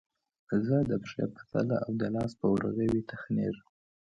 زه د پښې په تله او د لاس په ورغوي تخږم